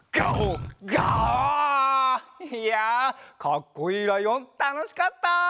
いやかっこいいライオンたのしかった！